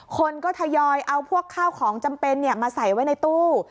คนก็ทยอยเอาพวกข้าวของจำเป็นมาใส่ไว้ในตู้